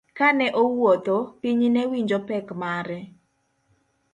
Kane owuotho, piny newinjo pek mare.